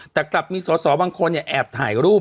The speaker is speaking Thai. แต่กลับมีสอสอบางคนแอบถ่ายรูป